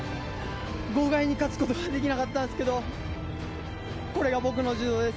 豪快に勝つことはできなかったんですけど、これが僕の柔道です。